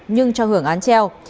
nhưng cho hưởng án treo